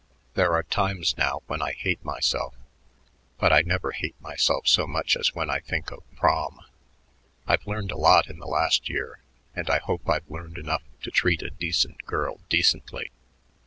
There are times now when I hate myself, but I never hate myself so much as when I think of Prom. I've learned a lot in the last year, and I hope I've learned enough to treat a decent girl decently.